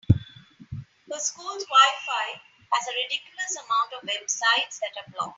Her school’s WiFi has a ridiculous amount of websites that are blocked.